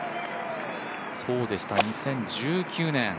そうでした２０１９年。